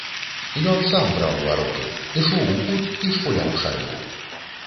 Ён сам браў вароты, ішоў у кут і шпуляў шайбу.